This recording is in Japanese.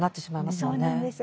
そうなんです。